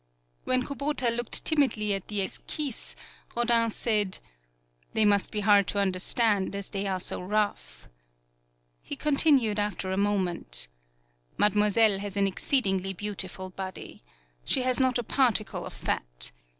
50 HANAKO When Kubota looked timidly at the esquisseSj Rodin said: "They must be hard to understand, as they are so rough." He continued after a moment: "Mademoiselle has an exceedingly beautiful body. She has not a particle of fat.